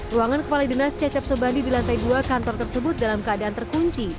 ruangan kepala dinas cecep sobandi di lantai dua kantor tersebut dalam keadaan terkunci